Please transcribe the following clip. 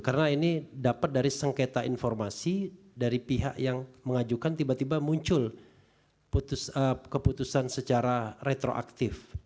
karena ini dapat dari sengketa informasi dari pihak yang mengajukan tiba tiba muncul keputusan secara retroaktif